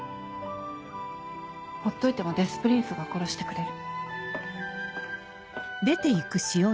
ほっといてもデス・プリンスが殺してくれる。